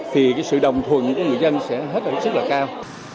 thì cái sự đồng thuận của người dân sẽ hết sức là cao